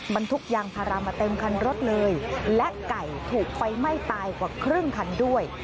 บรรทุกยางพารามาเต็มคันรถเลยและไก่ถูกไฟไหม้ตายกว่าครึ่งคันด้วย